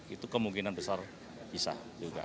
itu kemungkinan besar bisa juga